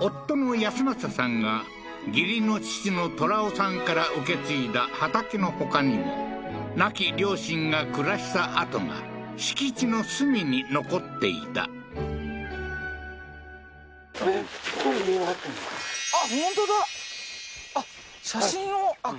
夫の安政さんが義理の父の寅夫さんから受け継いだ畑のほかにも亡き両親が暮らした跡が敷地の隅に残っていたあっ